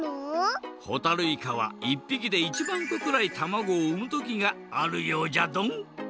ほたるいかは１ぴきで１まんこくらいたまごをうむ時があるようじゃドン。